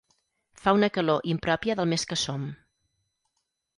Fa una calor impròpia del mes que som.